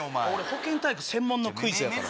保健体育専門のクイズやから。